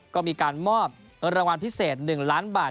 ก็มีการมอบรางวัลพิเศษ๑ล้านบาท